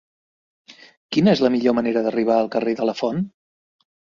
Quina és la millor manera d'arribar al carrer de Lafont?